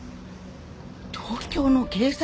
東京の警察！？